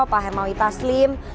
pak hermawi taslim